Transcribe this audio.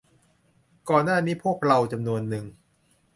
ก่อนหน้านี้พวกเราจำนวนนึง